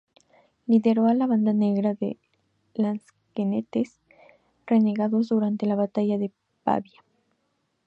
Lideró a la Banda Negra de Lansquenetes renegados durante la Batalla de Pavía.